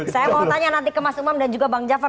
saya mau tanya nanti ke mas umam dan juga bang jafar